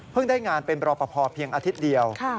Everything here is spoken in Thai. ได้งานเป็นรอปภเพียงอาทิตย์เดียว